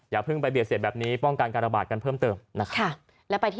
อย่าเพิ่งไปเบียดเสียดแบบนี้ป้องกันการระบาดกันเพิ่มเติมนะครับ